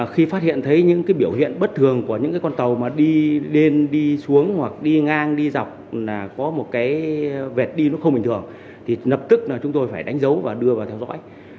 khi phát hiện thấy những biểu hiện bất thường của những con tàu đi lên đi xuống đi ngang đi dọc có một vẹt đi không bình thường thì lập tức chúng tôi phải đánh dấu và đưa vào theo dõi